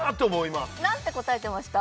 今何て答えてました？